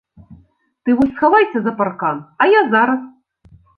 Ты вось схавайся за паркан, а я зараз.